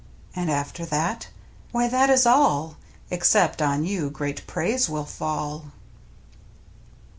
And after that? Why, that is all, Except on you great praise will fall.